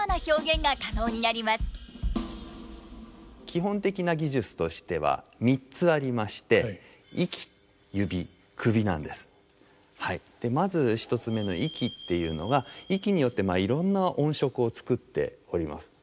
基本的な技術としては３つありましてまず１つ目の息っていうのが息によっていろんな音色を作っております。